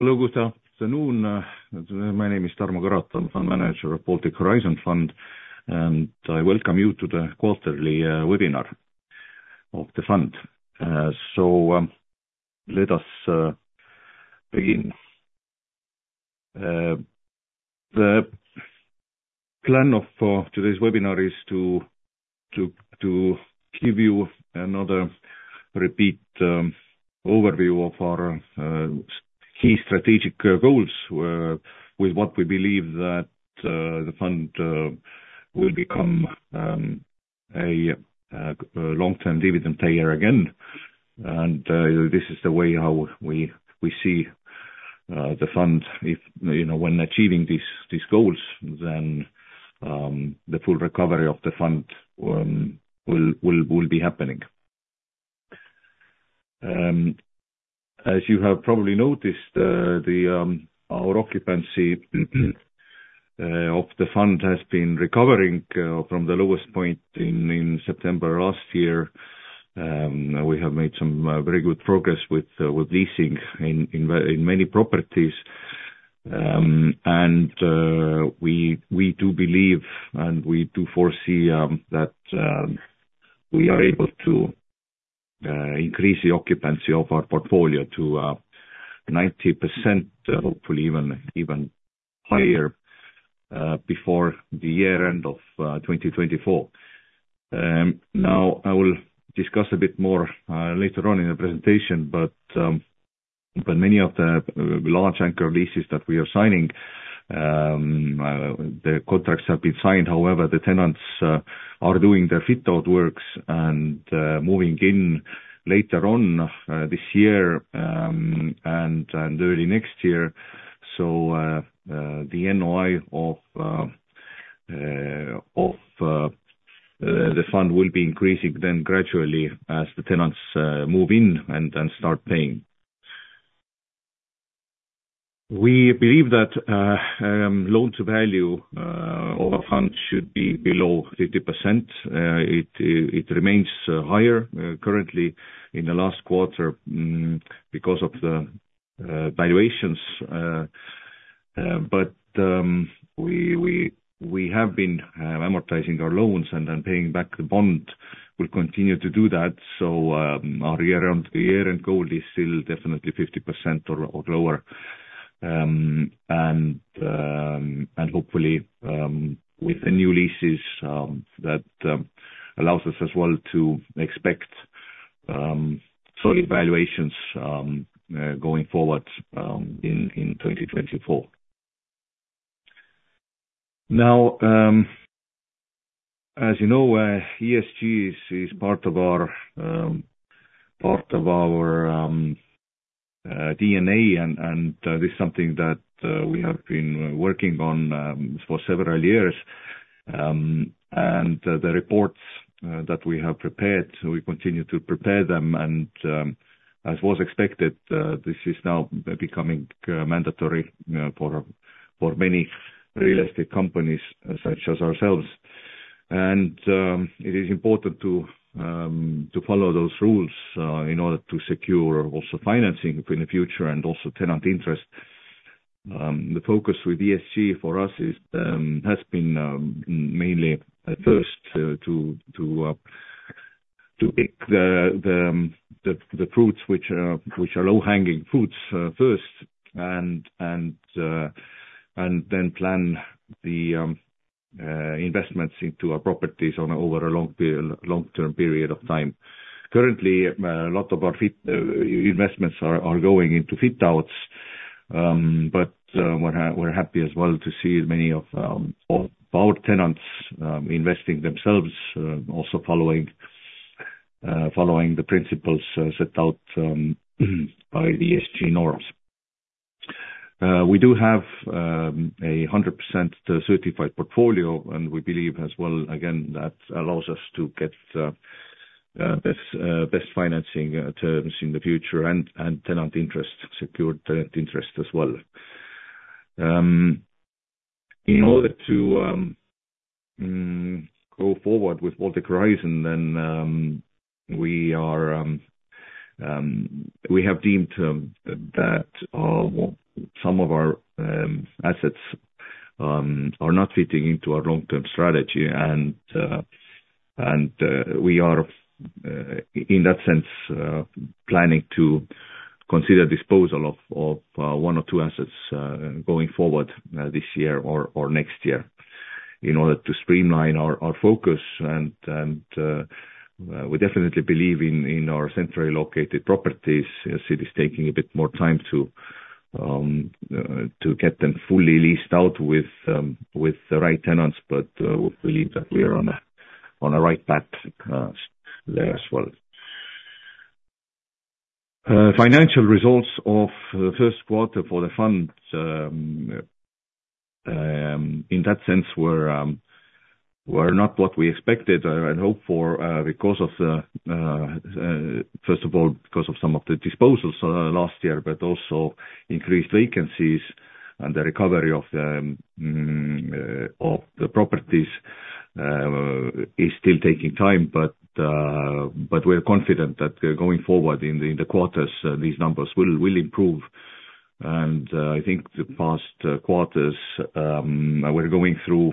Hello, good afternoon, my name is Tarmo Karotam, Fund Manager of Baltic Horizon Fund, and I welcome you to the quarterly webinar of the fund. So, let us begin. The plan of today's webinar is to give you another repeat overview of our key strategic goals with what we believe that the fund will become a long-term dividend payer again. This is the way how we see the fund if, you know, when achieving these goals, then the full recovery of the fund will be happening. As you have probably noticed, our occupancy of the fund has been recovering from the lowest point in September last year. We have made some very good progress with leasing in many properties. And we do believe, and we do foresee, that we are able to increase the occupancy of our portfolio to 90%, hopefully even higher, before the year end of 2024. Now, I will discuss a bit more later on in the presentation, but many of the large anchor leases that we are signing, the contracts have been signed. However, the tenants are doing their fit-out works and moving in later on this year, and early next year. So, the NOI of the fund will be increasing then gradually as the tenants move in and then start paying. We believe that loan-to-value of our fund should be below 50%. It remains higher currently in the last quarter because of the valuations. But we have been amortizing our loans and then paying back the bond; we'll continue to do that. So our year-on-year-end goal is still definitely 50% or lower. And hopefully with the new leases that allows us as well to expect solid valuations going forward in 2024. Now as you know, ESG is part of our DNA, and this is something that we have been working on for several years. And the reports that we have prepared, we continue to prepare them, and as was expected, this is now becoming mandatory for many real estate companies, such as ourselves. It is important to follow those rules in order to secure also financing in the future and also tenant interest. The focus with ESG for us is, has been mainly at first to pick the fruits which are low-hanging fruits first, and then plan the investments into our properties over a long-term period of time. Currently, a lot of our fit-out investments are going into fit-outs, but we're happy as well to see many of our tenants investing themselves also following the principles set out by the ESG norms. We do have 100% certified portfolio, and we believe as well, again, that allows us to get best financing terms in the future and tenant interest, secure tenant interest as well. In order to go forward with Baltic Horizon, then we have deemed that some of our assets are not fitting into our long-term strategy. We are, in that sense, planning to consider disposal of one or two assets going forward, this year or next year, in order to streamline our focus. And we definitely believe in our centrally located properties, as it is taking a bit more time to get them fully leased out with the right tenants, but we believe that we are on a right path there as well. Financial results of the first quarter for the fund, in that sense, were not what we expected and hoped for, because of, first of all, some of the disposals last year, but also increased vacancies and the recovery of the properties is still taking time, but we're confident that, going forward in the quarters, these numbers will improve. And, I think the past quarters, we're going through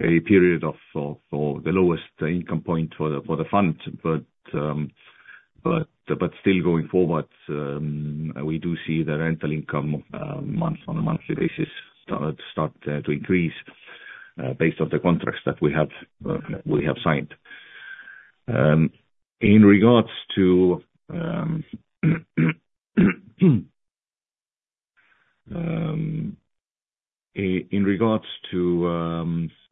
a period of the lowest income point for the fund. But, still going forward, we do see the rental income, month-on-month basis start to increase, based off the contracts that we have signed. In regards to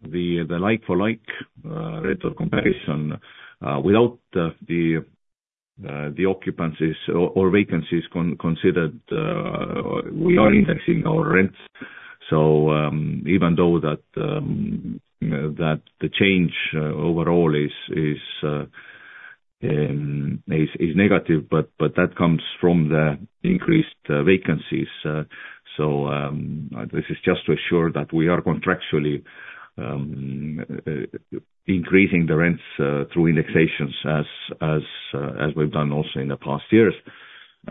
the like-for-like rate of comparison without the occupancies or vacancies considered, we are indexing our rents. So, even though the change overall is negative, but that comes from the increased vacancies. So, this is just to assure that we are contractually increasing the rents through indexations as we've done also in the past years.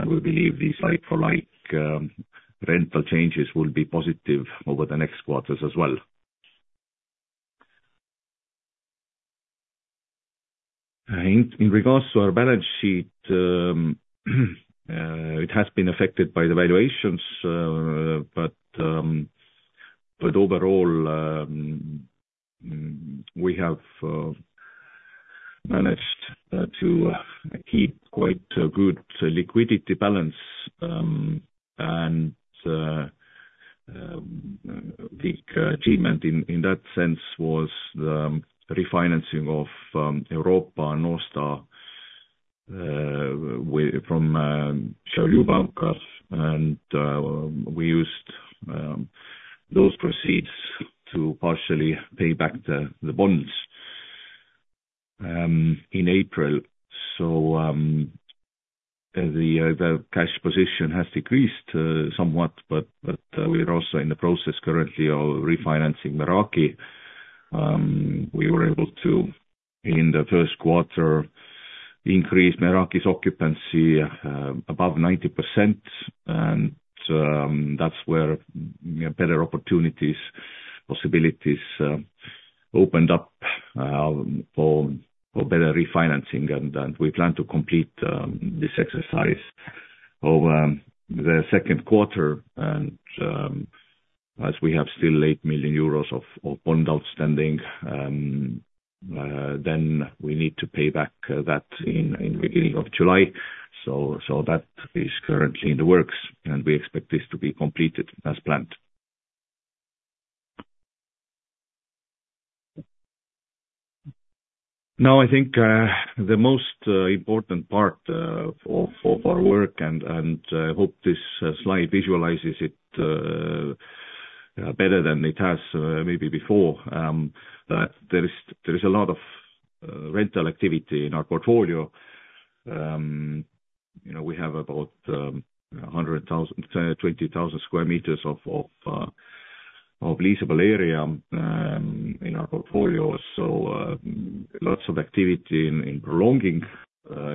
We believe these like-for-like rental changes will be positive over the next quarters as well. In regards to our balance sheet, it has been affected by the valuations, but overall, we have managed to keep quite a good liquidity balance. The achievement in that sense was the refinancing of Europa, North Star with from Šiaulių Bankas. And we used those proceeds to partially pay back the bonds in April. So, the cash position has decreased somewhat, but we are also in the process currently of refinancing Meraki. We were able to, in the first quarter, increase Meraki's occupancy above 90% and that's where better opportunities, possibilities opened up for better refinancing. And we plan to complete this exercise over the second quarter. And as we have still 8 million euros of bond outstanding, then we need to pay back that in the beginning of July. So that is currently in the works, and we expect this to be completed as planned. Now, I think, the most important part for our work, and hope this slide visualizes it better than it has, maybe before. But there is a lot of rental activity in our portfolio. You know, we have about 120,000 square meters of leasable area in our portfolio. So, lots of activity in prolonging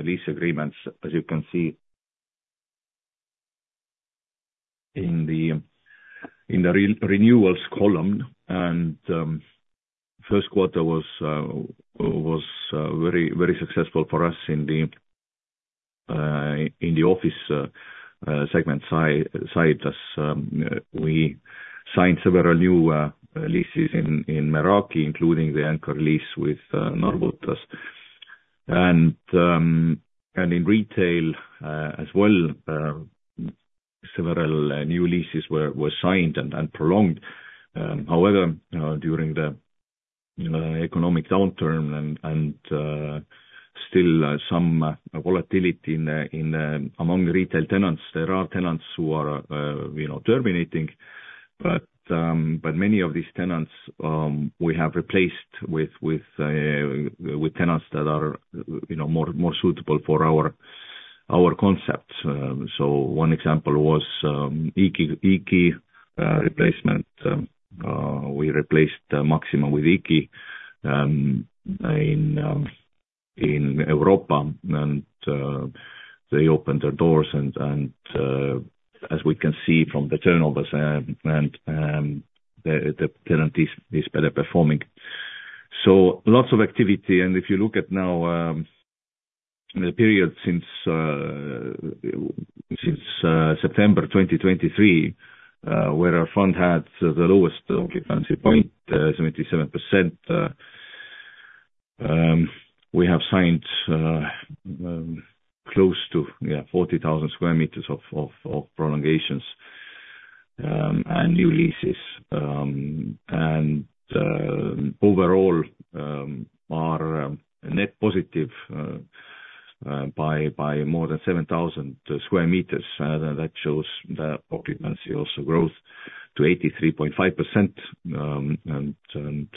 lease agreements, as you can see in the renewals column. First quarter was very successful for us in the office segment side, as we signed several new leases in Meraki, including the anchor lease with Narbutas. And in retail as well, several new leases were signed and prolonged. However, during the economic downturn and still some volatility in among retail tenants, there are tenants who are you know terminating. But many of these tenants we have replaced with tenants that are you know more suitable for our concept. So one example was IKI replacement. We replaced Maxima with IKI in Europa, and they opened their doors. And as we can see from the turnovers and the tenant is better performing. So lots of activity. And if you look at now the period since September 2023, where our fund had the lowest occupancy point, 77%, we have signed close to, yeah, 40,000 square meters of prolongations and new leases. And overall are net positive by more than 7,000 square meters. That shows the occupancy also grows to 83.5%. And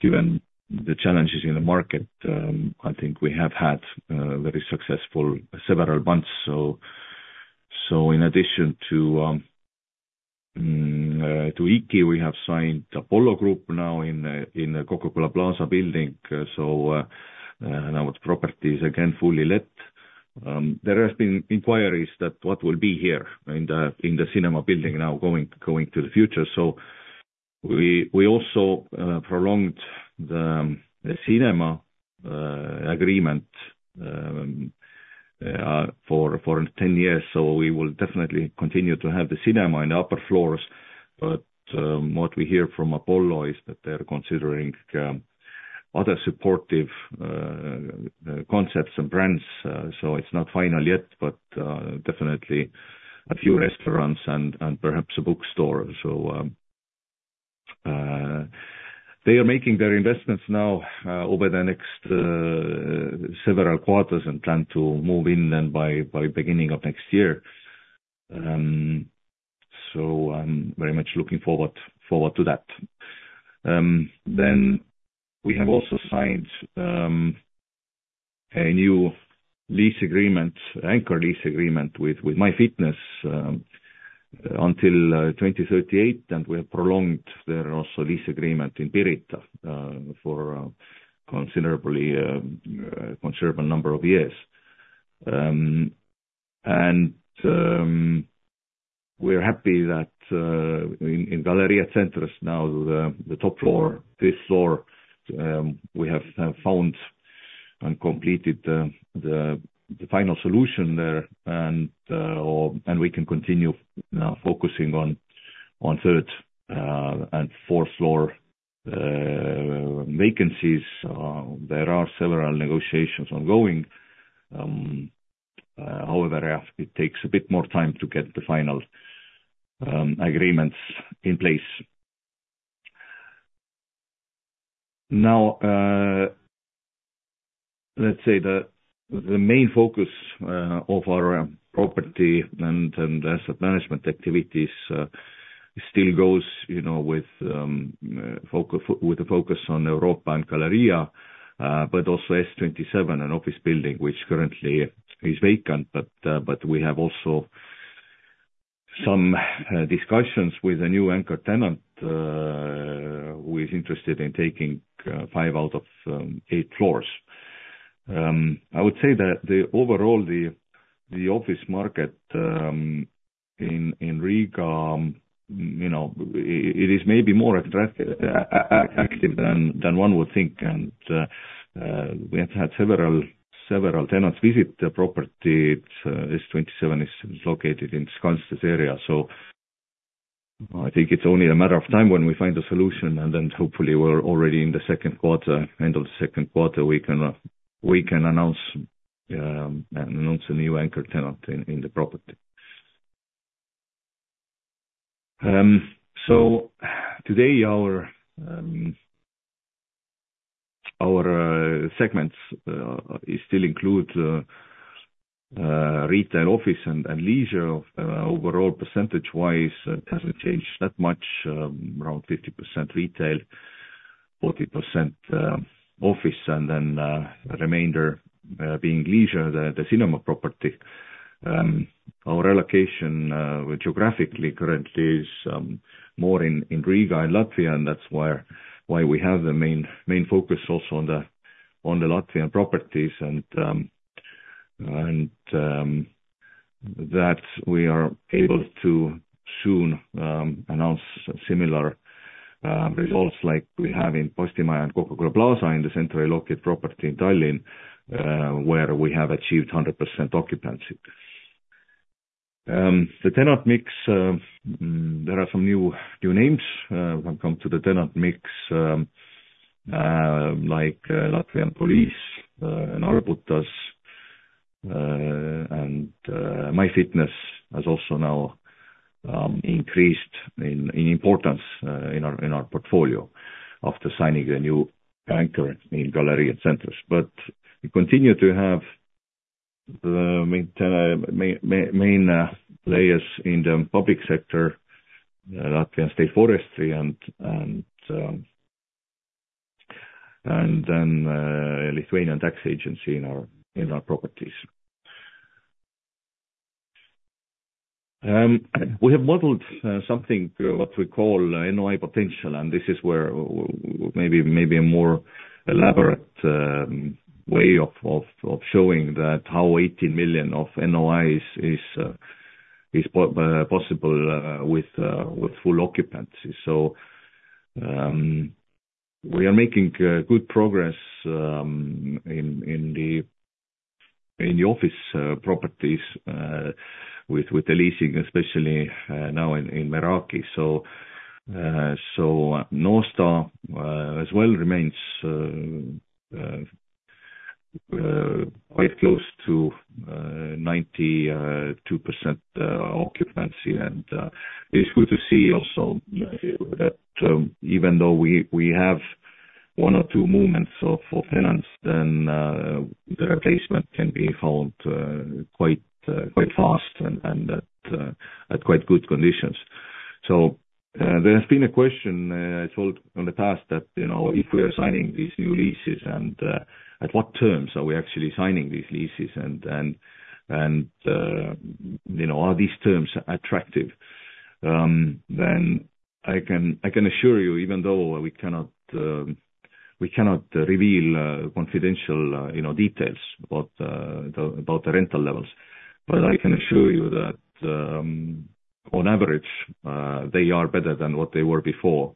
given the challenges in the market, I think we have had very successful several months. So in addition to... To IKI, we have signed Apollo Group now in the Coca-Cola Plaza building. So, and now the property is again fully let. There has been inquiries that what will be here in the cinema building now going to the future. So we also prolonged the cinema agreement for 10 years. So we will definitely continue to have the cinema in the upper floors. But what we hear from Apollo is that they are considering other supportive concepts and brands. So it's not final yet, but definitely a few restaurants and perhaps a bookstore. So they are making their investments now over the next several quarters, and plan to move in then by beginning of next year. So I'm very much looking forward to that. Then we have also signed a new lease agreement, anchor lease agreement with MyFitness until 2038, and we have prolonged their also lease agreement in Pirita for considerable number of years. And we're happy that in Galerija Centrs now the top floor, this floor, we have found and completed the final solution there. And we can continue focusing on third and fourth floor vacancies. There are several negotiations ongoing. However, it takes a bit more time to get the final agreements in place. Now, let's say the main focus of our property and asset management activities still goes, you know, with the focus on Europa and Galerija Centrs, but also S27, an office building which currently is vacant. But we have also some discussions with a new anchor tenant who is interested in taking five out of eight floors. I would say that overall the office market in Riga, you know, it is maybe more active than one would think. And we have had several tenants visit the property. S27 is located in Skanste area, so I think it's only a matter of time when we find a solution, and then hopefully we're already in the second quarter, end of the second quarter, we can announce a new anchor tenant in the property. So today, our segments still include retail, office, and leisure. Overall, percentage-wise, hasn't changed that much. Around 50% retail, 40% office, and then the remainder being leisure, the cinema property. Our allocation geographically currently is more in Riga, in Latvia, and that's why we have the main focus also on the Latvian properties. That we are able to soon announce similar results like we have in Postimaja and Coca-Cola Plaza in the centrally located property in Tallinn, where we have achieved 100% occupancy. The tenant mix, there are some new names when it come to the tenant mix, like State Police of Latvia and Narbutas, and MyFitness has also now increased in importance in our portfolio after signing a new anchor in Galerija Centrs. But we continue to have the main players in the public sector, Latvia's State Forests and then State Tax Inspectorate in our properties. We have modeled something, what we call NOI potential, and this is where maybe a more elaborate way of showing that how 18 million of NOIs is possible with full occupancy. So, we are making good progress in the office properties with the leasing, especially now in Meraki. So North Star as well remains quite close to 92% occupancy. And it's good to see also that even though we have one or two movements of tenants, then the replacement can be found quite fast and at quite good conditions. There has been a question, I told in the past that, you know, if we are signing these new leases and, at what terms are we actually signing these leases? And you know, are these terms attractive? Then I can assure you, even though we cannot reveal confidential, you know, details about the rental levels, but I can assure you that, on average, they are better than what they were before.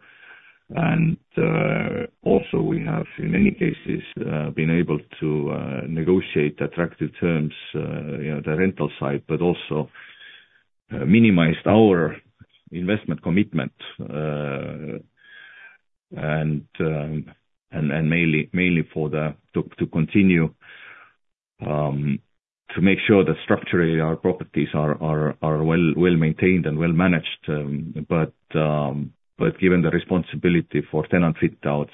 And also we have, in many cases, been able to negotiate attractive terms, you know, the rental side, but also minimized our investment commitment. And mainly for the to continue to make sure that structurally our properties are well-maintained and well-managed. But given the responsibility for tenant fit-outs,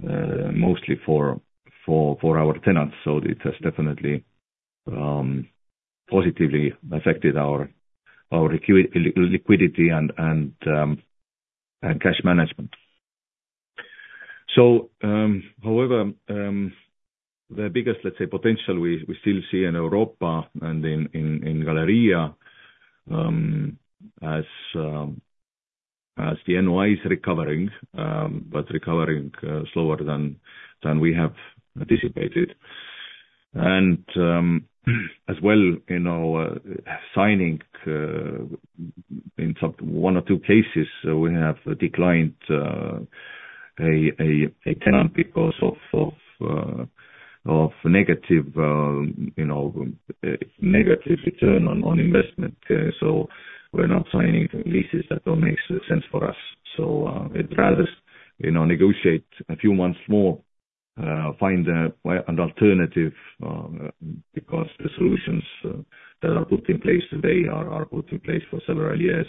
mostly for our tenants, so it has definitely positively affected our liquidity and cash management. So however, the biggest, let's say, potential we still see in Europa and in Galerija Centrs, as the NOI is recovering, but recovering slower than we have anticipated. And as well, you know, signing in some one or two cases, we have declined a tenant because of negative, you know, return on investment. So we're not signing leases that don't make sense for us. So, we'd rather, you know, negotiate a few months more, find, well, an alternative, because the solutions that are put in place today are put in place for several years,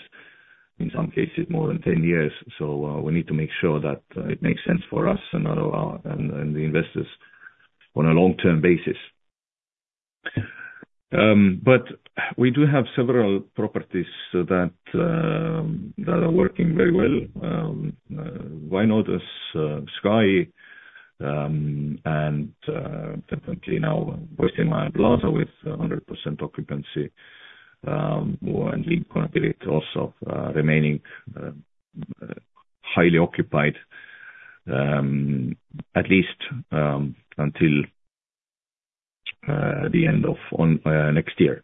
in some cases more than 10 years. So, we need to make sure that it makes sense for us and our and the investors on a long-term basis. But we do have several properties that are working very well. Sky and definitely now Vainodes 1 with 100% occupancy and Lincona also remaining highly occupied, at least until the end of next year.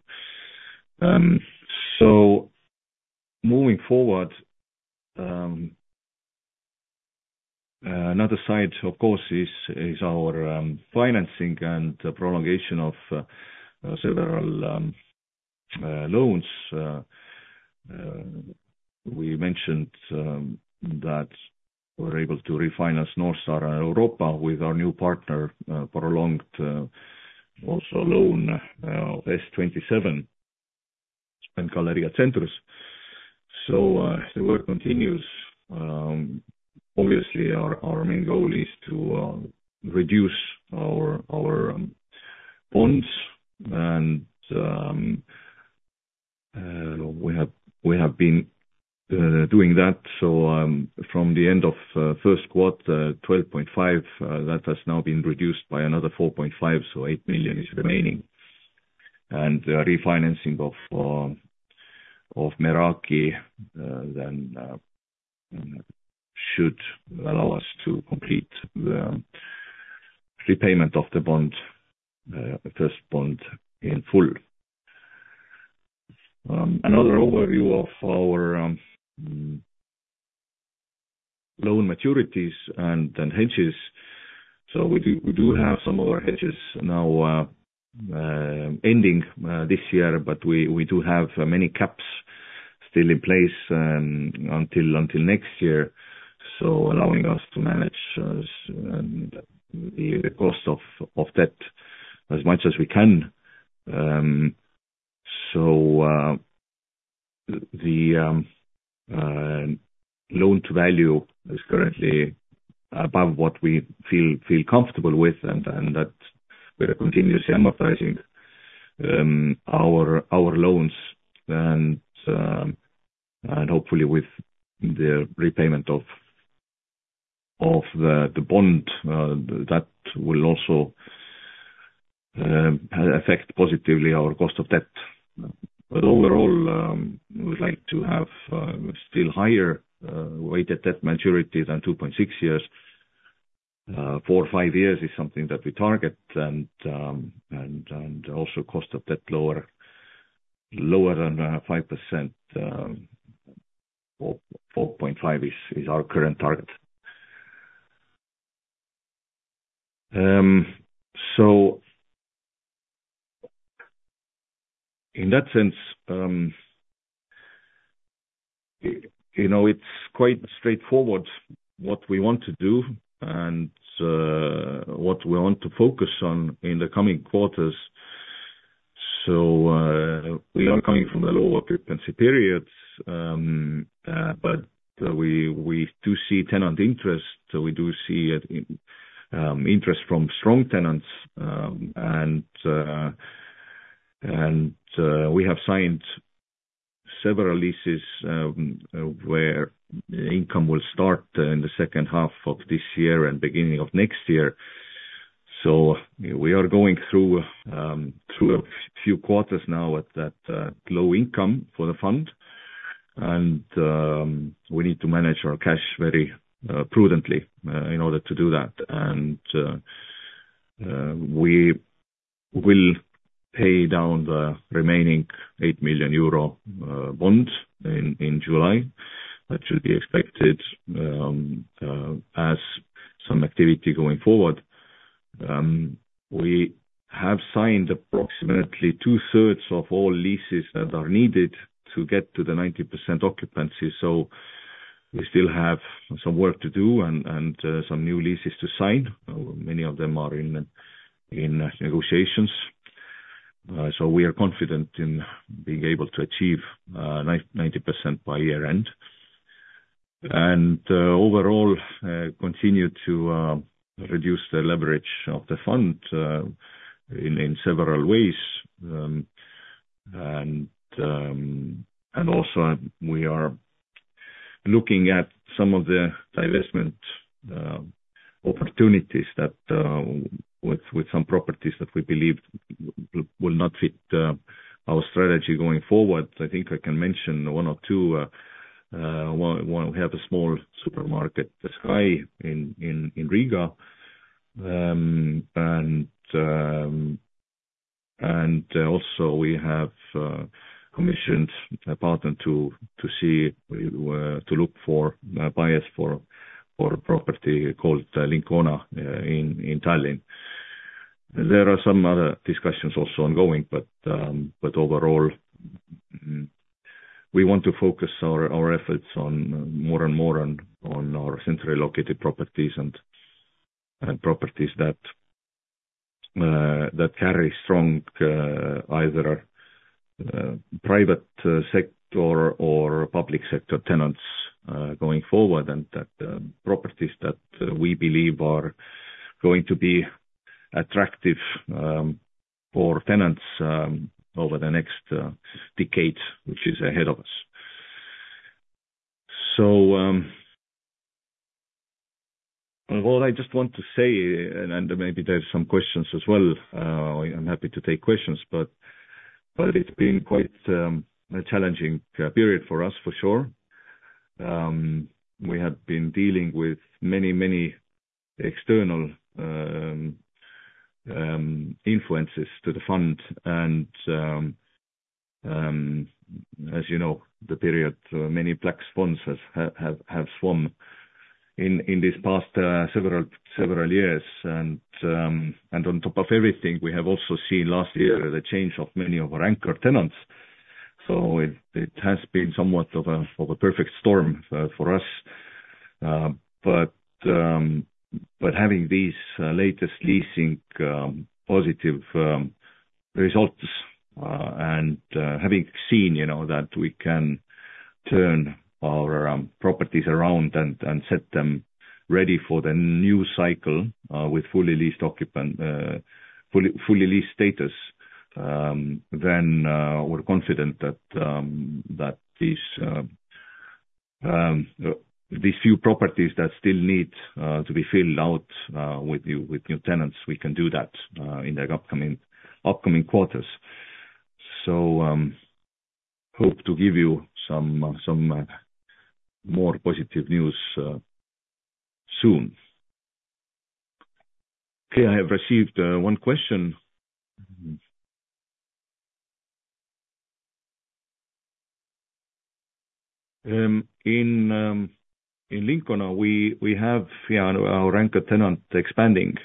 So moving forward, another side, of course, is our financing and the prolongation of several loans. We mentioned that we're able to refinance North Star and Europa with our new partner, prolonged also loan S27 and Galerija Centrs. So, the work continues. Obviously, our main goal is to reduce our bonds and we have been doing that. So, from the end of first quarter, 12.5 million that has now been reduced by another 4.5 million, so 8 million is remaining. And the refinancing of Meraki then should allow us to complete the repayment of the bond, the first bond in full. Another overview of our loan maturities and then hedges. So we do, we do have some more hedges now, ending this year, but we, we do have many caps still in place, until next year, so allowing us to manage the cost of debt as much as we can. So the loan-to-value is currently above what we feel comfortable with, and that we are continuously amortizing our loans, and hopefully with the repayment of the bond, that will also affect positively our cost of debt. But overall, we would like to have still higher weighted debt maturity than 2.6 years. Four or five years is something that we target, and, and also cost of debt lower, lower than 5%, 4.5% is our current target. So in that sense, you know, it's quite straightforward what we want to do and what we want to focus on in the coming quarters. So, we are coming from the lower occupancy periods, but we do see tenant interest, so we do see interest from strong tenants, and we have signed several leases, where income will start in the second half of this year and beginning of next year. So we are going through a few quarters now with that low income for the fund, and we need to manage our cash very prudently in order to do that. We will pay down the remaining 8 million euro bonds in July. That should be expected as some activity going forward. We have signed approximately two-thirds of all leases that are needed to get to the 90% occupancy, so we still have some work to do and some new leases to sign. Many of them are in negotiations. So we are confident in being able to achieve 90% by year-end. Overall, continue to reduce the leverage of the fund in several ways. And also we are looking at some of the divestment opportunities with some properties that we believe will not fit our strategy going forward. I think I can mention one or two. One, we have a small supermarket, Sky, in Riga. And also we have commissioned a partner to look for buyers for a property called Lincona in Tallinn. There are some other discussions also ongoing, but overall, we want to focus our efforts on more and more on our centrally located properties and properties that carry strong either private sector or public sector tenants going forward, and properties that we believe are going to be attractive for tenants over the next decade, which is ahead of us. Well, I just want to say, and maybe there's some questions as well, I'm happy to take questions, but it's been quite a challenging period for us, for sure. We have been dealing with many external influences to the fund, and as you know, the period many black swans have swum in this past several years. And on top of everything, we have also seen last year the change of many of our anchor tenants, so it has been somewhat of a perfect storm for us. But having these latest leasing positive results, and having seen, you know, that we can turn our properties around and set them ready for the new cycle, with fully leased occupant, fully leased status, then we're confident that these few properties that still need to be filled out with new tenants, we can do that in the upcoming quarters. Hope to give you some more positive news soon. Okay, I have received one question. In Lincona, we have our anchor tenant expanding,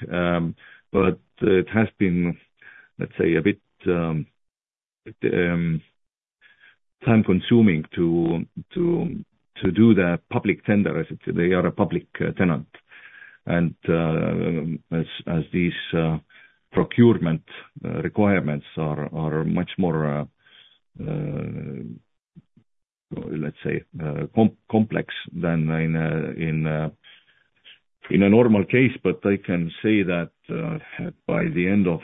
but it has been, let's say, a bit time-consuming to do the public tender. As I said, they are a public tenant, and as these procurement requirements are much more, let's say, complex than in a normal case. But I can say that by the end of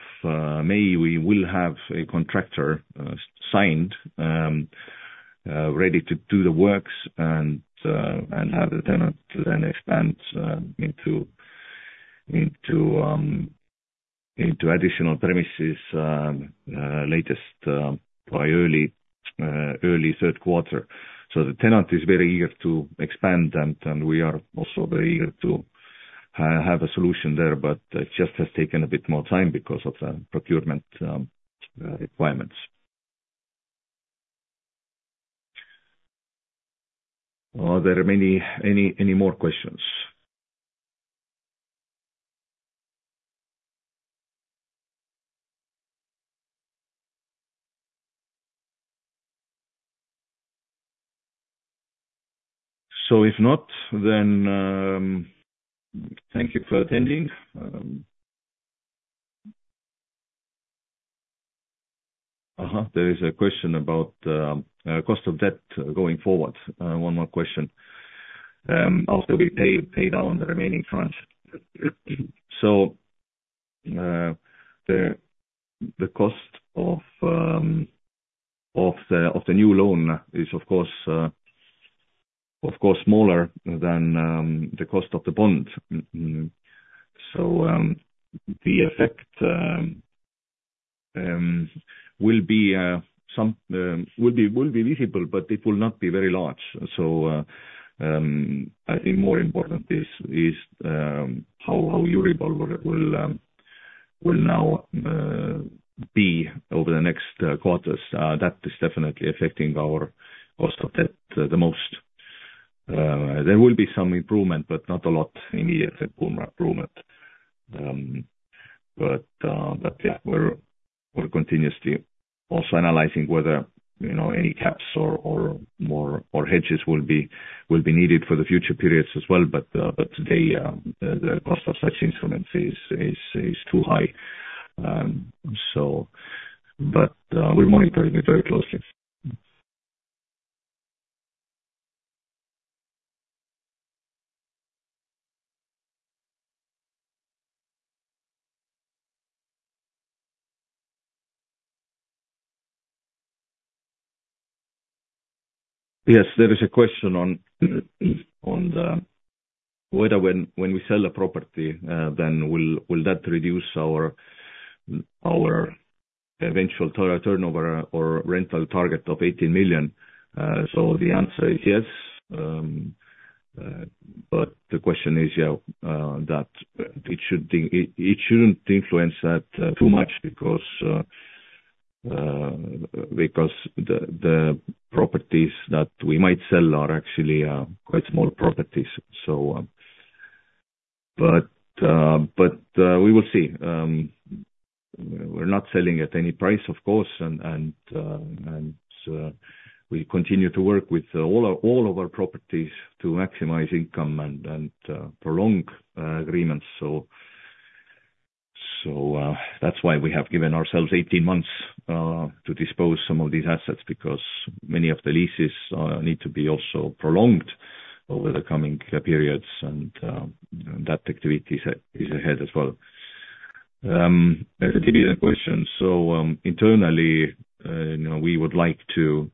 May, we will have a contractor signed ready to do the works and have the tenant to then expand into additional premises, latest by early third quarter. So the tenant is very eager to expand, and we are also very eager to have a solution there, but it just has taken a bit more time because of the procurement requirements. Are there any more questions? So if not, then thank you for attending... Uh-huh, there is a question about cost of debt going forward. One more question after we pay down the remaining tranche. So the cost of the new loan is of course smaller than the cost of the bond. Mm. So the effect will be visible, but it will not be very large. I think more important is how Euribor will now be over the next quarters. That is definitely affecting our cost of debt the most. There will be some improvement, but not a lot immediate improvement. But yeah, we're continuously also analyzing whether, you know, any caps or more or hedges will be needed for the future periods as well, but today, the cost of such instruments is too high. So, we're monitoring it very closely. Yes, there is a question on whether when we sell a property, then will that reduce our eventual total turnover or rental target of 18 million. So the answer is yes. But the question is, yeah, that it should, it shouldn't influence that too much because the properties that we might sell are actually quite small properties. So, but we will see. We're not selling at any price, of course, and we continue to work with all of our properties to maximize income and prolong agreements. So, that's why we have given ourselves 18 months to dispose some of these assets, because many of the leases need to be also prolonged over the coming periods. And that activity is ahead as well. As to the dividend question, so, internally, you know, we would like to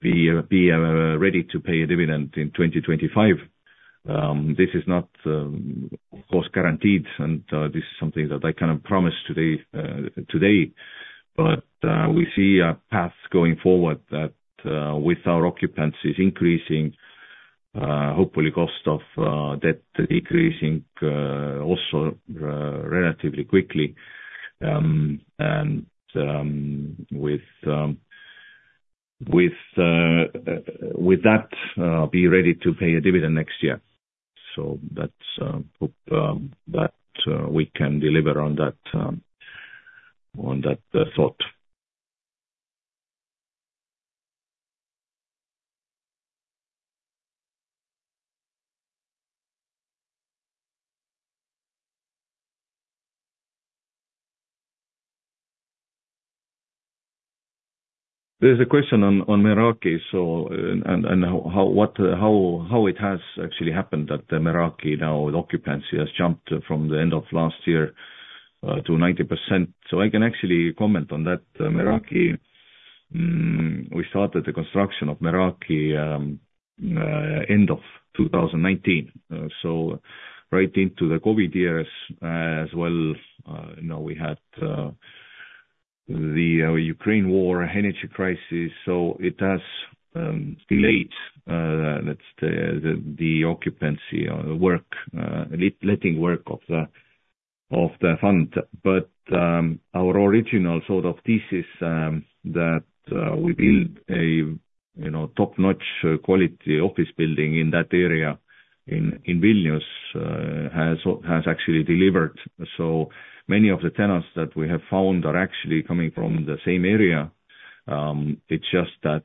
be ready to pay a dividend in 2025. This is not, of course, guaranteed, and this is something that I cannot promise today, today, but we see a path going forward that, with our occupancy increasing, hopefully cost of debt decreasing, also, relatively quickly. And with that, be ready to pay a dividend next year. So that's hope that we can deliver on that thought. There's a question on Meraki, so, and how what how it has actually happened at the Meraki. Now, occupancy has jumped from the end of last year to 90%. So I can actually comment on that. Meraki, we started the construction of Meraki end of 2019. So right into the COVID years, as well, you know, we had the Ukraine war, energy crisis. So it has delayed, let's say, the occupancy or work, letting work of the fund. But our original sort of thesis that we build a, you know, top-notch quality office building in that area in Vilnius has actually delivered. So many of the tenants that we have found are actually coming from the same area. It's just that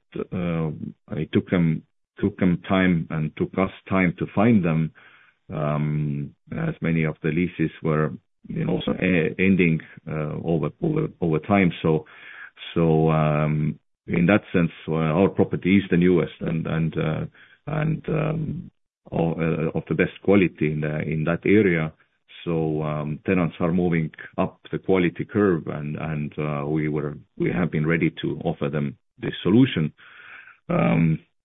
it took them time and took us time to find them as many of the leases were also ending over time. So, in that sense, our property is the newest and of the best quality in that area. So, tenants are moving up the quality curve and we were -- we have been ready to offer them this solution.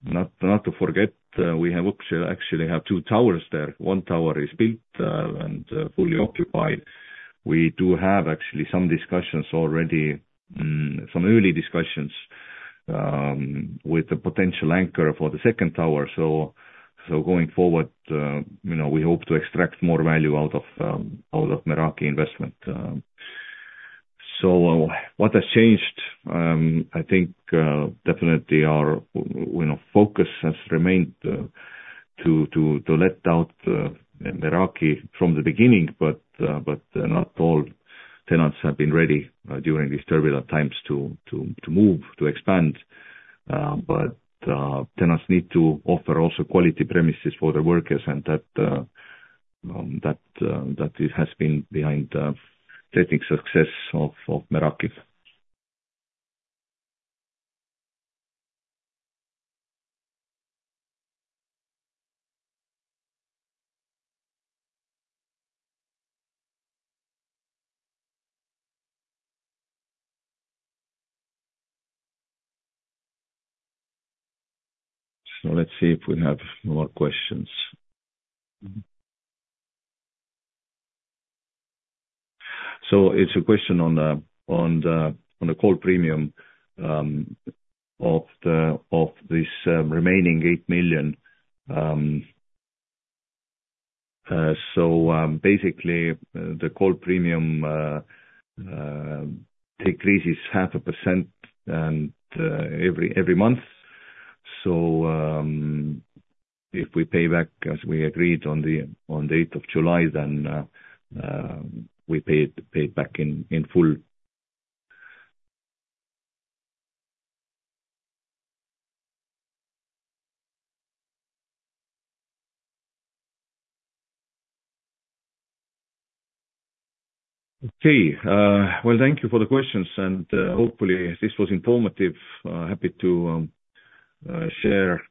Not to forget, we actually have two towers there. One tower is built and fully occupied. We do have actually some discussions already, some early discussions with the potential anchor for the second tower. So going forward, you know, we hope to extract more value out of out of Meraki investment. So what has changed? I think definitely our you know focus has remained to let out Meraki from the beginning, but not all tenants have been ready during these turbulent times to move to expand. But tenants need to offer also quality premises for their workers, and that it has been behind the trading success of Meraki. So let's see if we have more questions. So it's a question on the call premium of this remaining 8 million. So basically the call premium decreases 0.5% every month. So if we pay back as we agreed on the eighth of July, then we pay it back in full. Okay. Well, thank you for the questions, and hopefully this was informative. Happy to share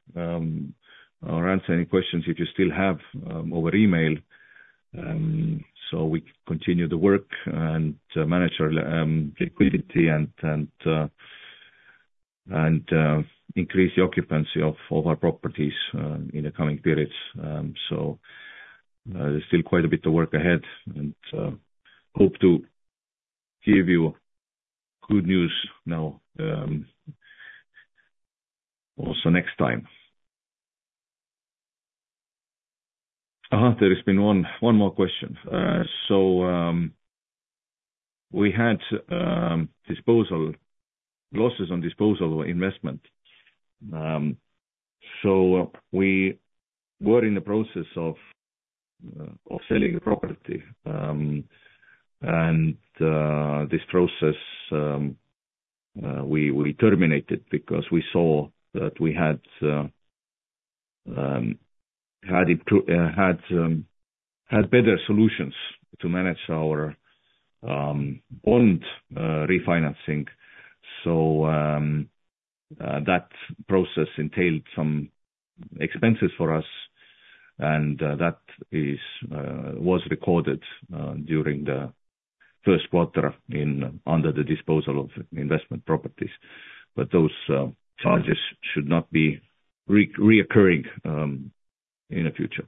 or answer any questions if you still have over email. We continue the work and manage our liquidity and increase the occupancy of all our properties in the coming periods. There's still quite a bit of work ahead, and hope to give you good news now also next time. There has been one more question. We had disposal losses on disposal investment. We were in the process of selling the property, and this process we terminated because we saw that we had better solutions to manage our bond refinancing. So, that process entailed some expenses for us, and that is was recorded during the first quarter, under the disposal of investment properties. But those charges should not be recurring in the future.